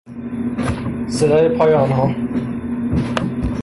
صدای پای آنها